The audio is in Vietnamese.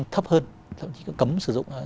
thấp hơn thậm chí cấm sử dụng